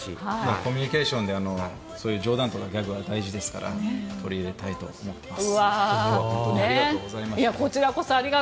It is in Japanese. コミュニケーションで冗談とかギャグは大事ですから取り入れたいと思っています。